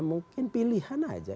mungkin pilihan saja